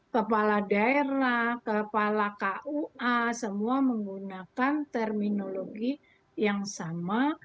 kepala daerah kepala kua semua menggunakan terminologi yang sama